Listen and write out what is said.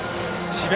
智弁